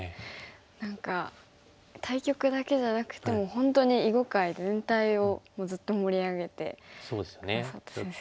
何か対局だけじゃなくて本当に囲碁界全体をもうずっと盛り上げて下さった先生。